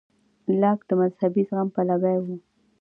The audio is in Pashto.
لاک د مذهبي زغم پلوی و.